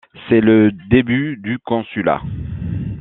C'est le début du Consulat.